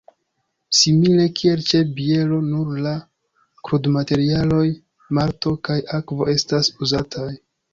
Simile kiel ĉe biero nur la krudmaterialoj malto kaj akvo estas uzataj.